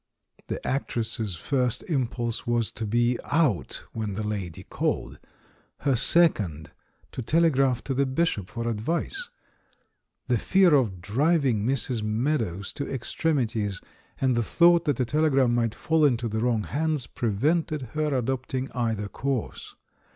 The actress's first impulse was to be "out" when the lady called; her second, to tele graph to the Bishop for advice. The fear of driving Mrs. Meadows to extremities, and the thought that a telegram might fall into the wrong THE BISHOP'S COMEDY 355 hands, prevented her adopting either course.